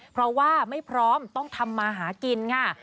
เพราะว่าไม่พร้อมต้องทำมาหากินค่ะ